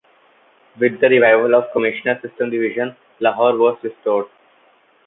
With the revival of commissioner system division, Lahore was restored.